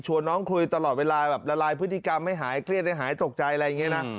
น้องคุยตลอดเวลาแบบละลายพฤติกรรมให้หายเครียดให้หายตกใจอะไรอย่างนี้นะ